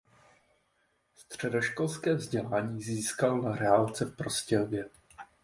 Středoškolské vzdělání získal na reálce v Prostějově.